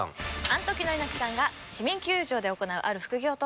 アントキの猪木さんが市民球場で行うある副業とは？